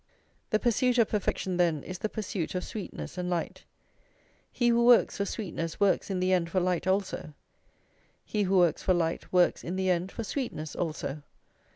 The pursuit of perfection, then, is the pursuit of sweetness and light. He who works for sweetness works in the end for light also; he who works for light works in the end for sweetness also.